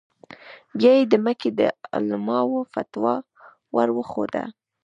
بیا یې د مکې د علماوو فتوا ور وښوده.